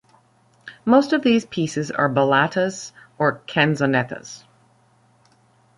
Most of these pieces are ballatas or canzonettas.